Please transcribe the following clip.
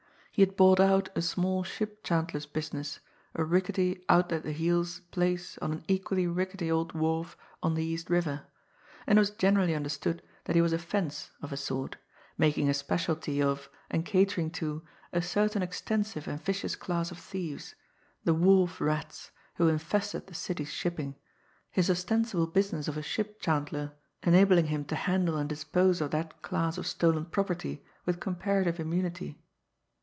He had bought out a small ship chandler's business, a rickety, out at the heels place on an equally rickety old wharf on the East River; and it was generally understood that he was a "fence" of a sort, making a speciality of, and catering to, a certain extensive and vicious class of thieves, the wharf rats, who infested the city's shipping his ostensible business of a ship chandler enabling him to handle and dispose of that class of stolen property with comparative immunity.